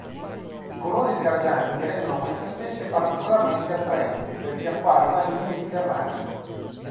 I colori sgargianti rendono questa specie particolarmente attraente per gli acquari marini mediterranei.